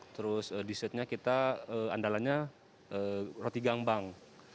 terus dessertnya kita andalannya roti gangbang